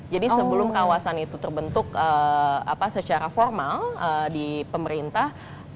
jadi sebelum kawasan itu terbentuk secara formal di pemerintah